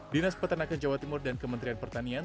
dinas peternakan jawa timur dan kementerian pertanian